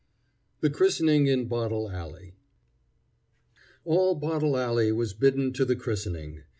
THE CHRISTENING IN BOTTLE ALLEY All Bottle Alley was bidden to the christening.